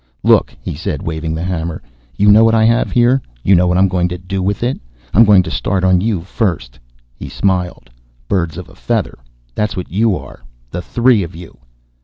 "Look," he said, waving the hammer. "You know what I have here? You know what I'm going to do with it? I'm going to start on you first." He smiled. "Birds of a feather, that's what you are the three of you."